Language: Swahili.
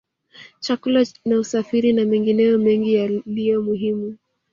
Chakula na usafiri na mengineyo mengi yaliyo muhimu